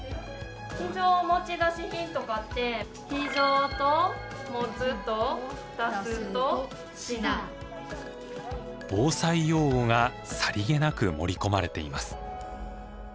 非常持ち出し品とかって防災用語がさりげなく盛り込まれています。